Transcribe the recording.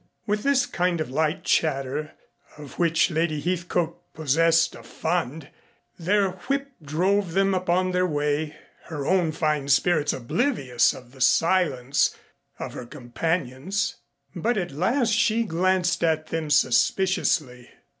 With this kind of light chatter, of which Lady Heathcote possessed a fund, their whip drove them upon their way, her own fine spirits oblivious of the silence of her companions. But at last she glanced at them suspiciously.